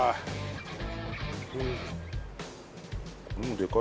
でかい。